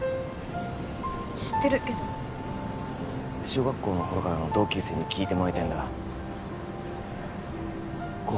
知ってるけど小学校の頃からの同級生に聞いてもらいたいんだ心